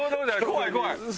怖い怖い。